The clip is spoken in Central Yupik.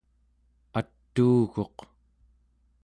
atuuguq